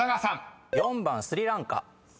４番「スリランカ」